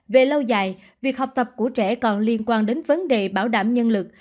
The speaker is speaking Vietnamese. về lâu dài việc học tập của trẻ còn liên quan đến vấn đề bảo đảm nhân lực